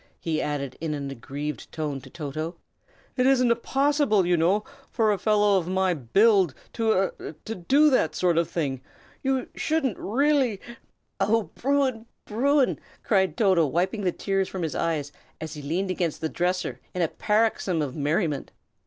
he added, in an aggrieved tone, to Toto. "It isn't possible, you know, for a fellow of my build to a do that sort of thing. You shouldn't, really " "Oh, Bruin! Bruin!" cried Toto, wiping the tears from his eyes, as he leaned against the dresser in a paroxysm of merriment.